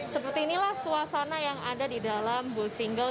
seperti inilah suasana yang ada di dalam bus single